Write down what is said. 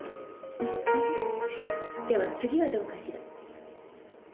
フフフッでは次はどうかしら？